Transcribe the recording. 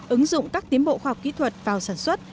ứng dụng các tiến bộ khoa học kỹ thuật vào sản xuất